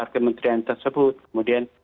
empat kementerian tersebut kemudian